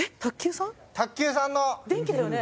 卓球さんの。